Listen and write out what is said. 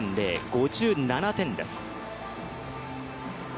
５７点です。